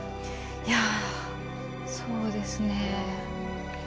いやあそうですね